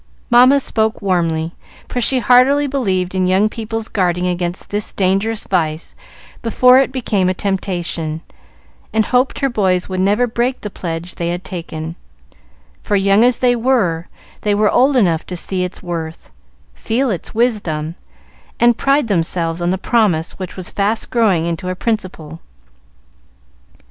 Mamma spoke warmly, for she heartily believed in young people's guarding against this dangerous vice before it became a temptation, and hoped her boys would never break the pledge they had taken; for, young as they were, they were old enough to see its worth, feel its wisdom, and pride themselves on the promise which was fast growing into a principle.